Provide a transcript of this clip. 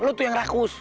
lo tuh yang rakus